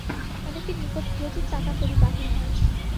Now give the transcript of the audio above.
অনেকের নিকট প্রচুর টাকা-কড়ি বাহির হয়।